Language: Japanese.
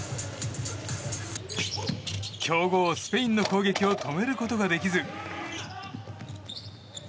競合スペインの攻撃を止めることができず。